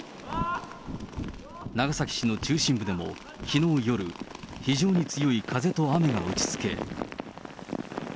長崎市の中心部でも、きのう夜、非常に強い風と雨が打ちつけ。